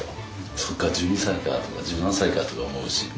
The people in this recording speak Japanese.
そっか１２歳かとか１７歳かとか思うしま